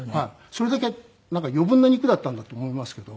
それだけ余分な肉だったんだと思いますけど。